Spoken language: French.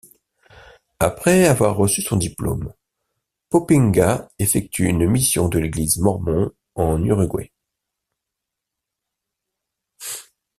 Après avoir reçu son diplôme, Poppinga effectue une mission de l'église Mormon en Uruguay.